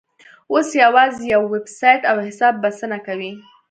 اوس یوازې یو ویبسایټ او حساب بسنه کوي.